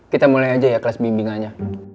kita mulai aja ya kelas bimbingannya